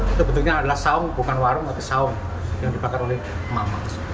itu bentuknya adalah saung bukan warung tapi saung yang dibakar oleh emak emak